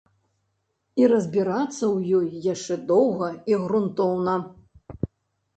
І разбірацца ў ёй яшчэ доўга і грунтоўна.